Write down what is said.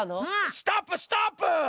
ストップストップ！